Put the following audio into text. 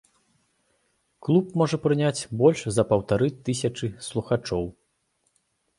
Клуб можа прыняць больш за паўтары тысячы слухачоў.